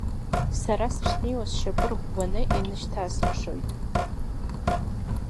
Сара сышнеиуа сшьапы рӷәӷәаны инышьҭасыкшоит.